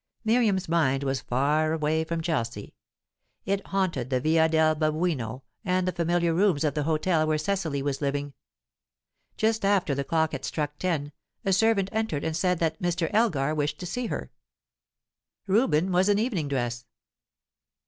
Miriam's mind was far away from Chelsea; it haunted the Via del Babuino, and the familiar rooms of the hotel where Cecily was living. Just after the clock had struck ten, a servant entered and said that Mr. Elgar wished to see her. Reuben was in evening dress.